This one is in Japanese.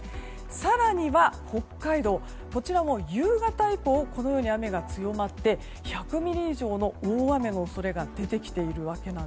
更には、北海道も夕方以降このように雨が強まって１００ミリ以上の大雨の恐れが出てきています。